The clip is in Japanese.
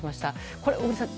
これ、小栗さん